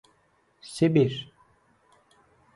Sibir.